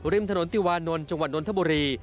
ริมถนนติวานนท์จังหวัดนทบุรี